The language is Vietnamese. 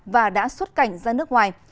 và đã xuất cảnh ra nước ngoài